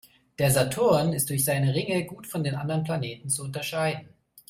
Der Saturn ist durch seine Ringe gut von den anderen Planeten zu unterscheiden.